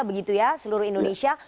begitu ya seluruh indonesia